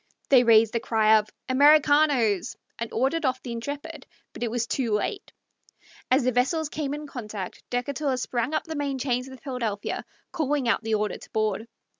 They raised the cry of "Americanos!" and ordered off the Intrepid, but it was too late. As the vessels came in contact, Decatur sprang up the main chains of the Philadelphia, calling out the order to board.